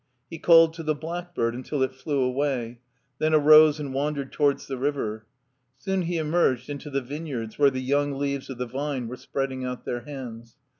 He called to the black bird until it flew away, then arose and wandered to wards the river. Soon he emerged into the vineyards, where the young leaves of the vine were spreading out their hands.